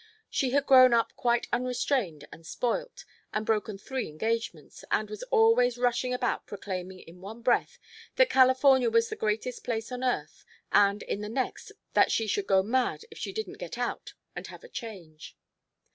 She had grown up quite unrestrained and spoilt, and broken three engagements, and was always rushing about proclaiming in one breath, that California was the greatest place on earth and in the next that she should go mad if she didn't get out and have a change.